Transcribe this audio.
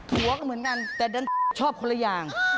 หัวก็เหมือนกันแต่ดันชอบคนละอย่าง